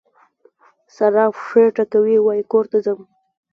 سارا پښې ټکوي؛ وای کور ته ځم.